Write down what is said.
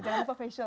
jangan lupa facial